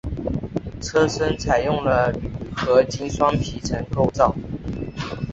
车身采用了铝合金双皮层构造。